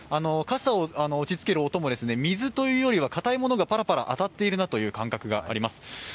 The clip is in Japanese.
傘を打ちつける音も、水というよりは硬いものがパラパラ能っているなという感覚があります。